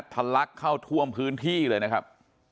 ลักเข้าท่วมพื้นที่เลยนะครับ